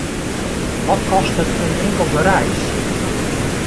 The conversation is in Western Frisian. Wat kostet in inkelde reis?